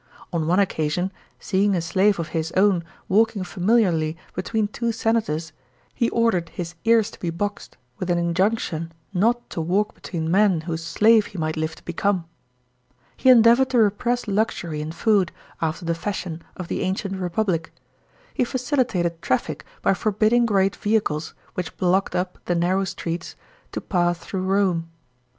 On one occasion, seeing a slave of his own walking familiarly between two senators, he ordered his ears to be boxed, with an iojunction not to walk between men whose slave he mi^ht live to become. He endeavoured to repress luxury in food, after the fashion of the ancient Republic. He facilitated traffic by forbidding great vehicles, which blocked up the narrow streets, to pass through Rome.